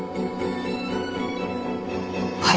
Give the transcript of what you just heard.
はい。